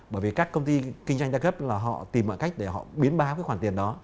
bởi vì các công ty kinh doanh đa cấp là họ tìm mọi cách để họ biến báo cái khoản tiền đó